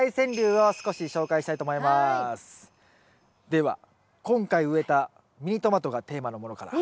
では今回植えたミニトマトがテーマのものから。